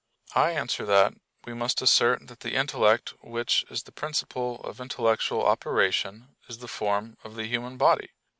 I answer that, We must assert that the intellect which is the principle of intellectual operation is the form of the human body.